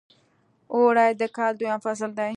اوړی د کال دویم فصل دی .